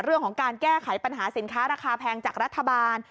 เรื่องของการแก้ไขปัญหาสินค้าราคาแพงจากรัฐบาล